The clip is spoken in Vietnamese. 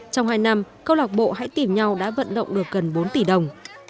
trong hai năm câu lạc bộ hãy tìm nhau đã vận động được gần bốn tỷ đồng